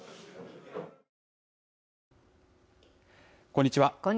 こんにちは。